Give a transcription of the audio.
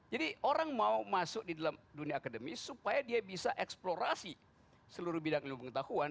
jadi orang mau masuk di dalam dunia akademis supaya dia bisa eksplorasi seluruh bidang ilmu pengetahuan